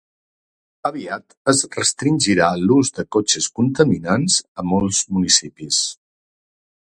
Aviat es restringirà l'ús de cotxes contaminants a molts municipis.